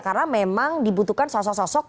karena memang dibutuhkan sosok sosok